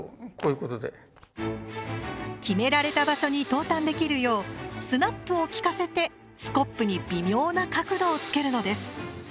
決められた場所に投炭できるようスナップを利かせてスコップに微妙な角度をつけるのです。